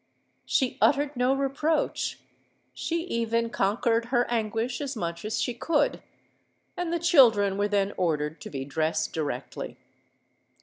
She uttered no reproach—she even conquered her anguish as much as she could;—and the children were then ordered to be dressed directly.